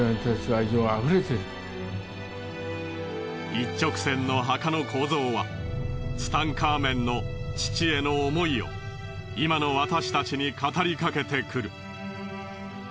一直線の墓の構造はツタンカーメンの父への思いを今の私たちに語りかけてくる。